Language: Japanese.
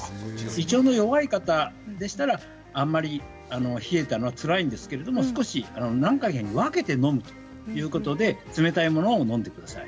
胃腸の弱い方でしたらあまり冷えたのはつらいんですけど少し何回かに分けて飲むということで冷たいものを飲んでください。